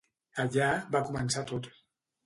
Allà, va començar tot.